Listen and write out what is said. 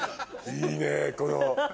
いいねぇこの。